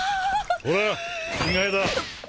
ほら着替えだ